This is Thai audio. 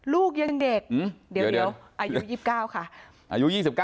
ลูกยังเด็กเดี๋ยวอายุ๒๙ค่ะ